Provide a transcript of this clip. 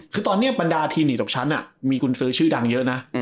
คือตอนนี้บรรดาทีมหนีตกชั้นมีกุญซื้อชื่อดังเยอะนะ